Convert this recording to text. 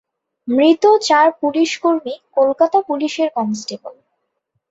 মৃত চার পুলিশ কর্মী কলকাতা পুলিশের কনস্টেবল।